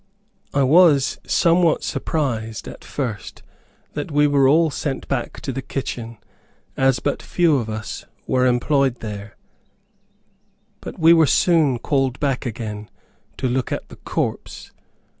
I was somewhat surprised at first that we were all sent to the kitchen, as but few of us were employed there; but we were soon called back again to look at the corpse.